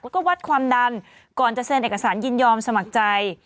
แล้วก็วัดความดันก่อนจะเซ็นเอกสารยินยอมสมัครใจ